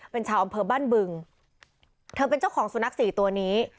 เป็นชาวอำเภอบ้านบึงเธอเป็นเจ้าของสุนัขสี่ตัวนี้